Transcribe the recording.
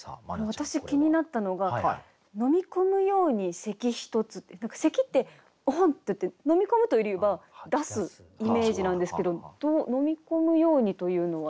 私気になったのが「飲み込むやうに咳ひとつ」って咳ってオホンッていって飲み込むというよりは出すイメージなんですけど「飲み込むやうに」というのはどういった？